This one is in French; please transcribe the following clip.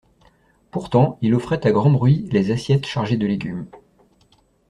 Pourtant il offrait à grand bruit les assiettes chargées de légumes.